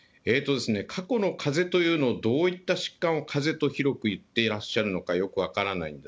過去のかぜというのを、どういった疾患をかぜと広く言っていらっしゃるのかよく分からな